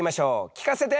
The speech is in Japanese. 聞かせて！